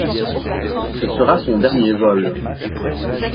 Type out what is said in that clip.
Ce sera son dernier vol.